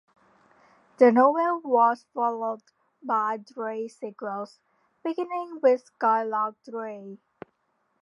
The novel was followed by three sequels, beginning with Skylark Three.